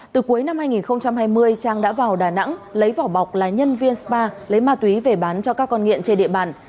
từ cuối năm hai nghìn hai mươi trang đã vào đà nẵng lấy vỏ bọc là nhân viên spa lấy ma túy về bán cho các con nghiện trên địa bàn